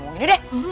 ngomongin aja deh